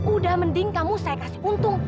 udah mending kamu saya kasih untung